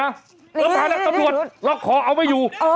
ถามด้านตำรวจล็อกคอเอาไม่อยู่